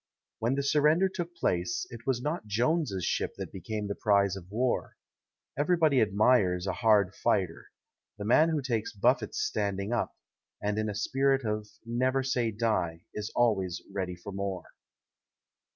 When the surrender took place, it was not Jones's ship that became the prize of war. Everybody admires a hard fighter the man who takes buffets standing up, and in a spirit of "Never say die" is always ready for more.